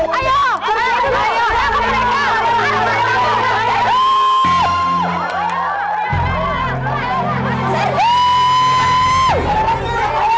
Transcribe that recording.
udah biarin aja biar kapok